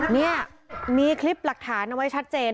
นี่มีคลิปหลักฐานเอาไว้ชัดเจน